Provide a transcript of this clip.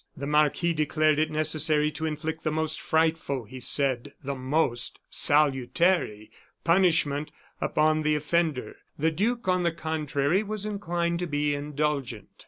The marquis declared it necessary to inflict the most frightful he said the most salutary punishment upon the offender; the duke, on the contrary, was inclined to be indulgent.